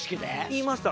言いました。